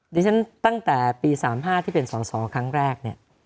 ดิฉันตั้งแต่ปี๓๕ที่เป็นสสครั้งแรก